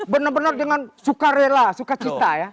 benar benar dengan suka rela suka cita ya